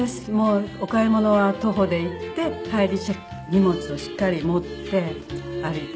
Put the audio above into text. お買い物は徒歩で行って帰り荷物をしっかり持って歩いて。